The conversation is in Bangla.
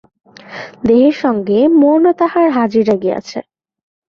দেহের সঙ্গে মনও তাহার হাজিরা গিয়াছে।